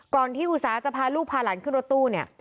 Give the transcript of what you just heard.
ก่อนที่อุตสาหจะพาลูกพาหลานขึ้นรถตู้เนี่ย